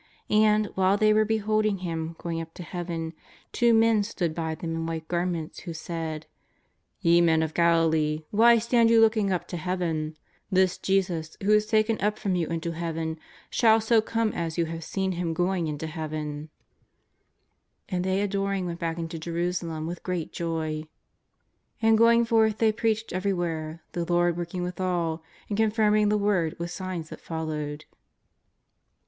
And, while they were beholding Him, going up to Heaven, two men stood by them in white garments who said : "Ye men of Galilee, why stand you looking up to Heaven ? This Jesus, who is taken up from you into Heaven, shall so come as you have seen Him going into Heaven." ♦ Mark 1«. JESUS OF NAZARETH. 390 " And they adoring went back into Jerusalem with great joy." * ''And going forth they preached every where, the Lord working withal, and confirming the word with signs that followed."